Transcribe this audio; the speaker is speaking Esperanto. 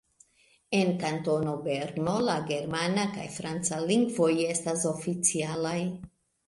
En Kantono Berno la germana kaj franca lingvoj estas oficialaj.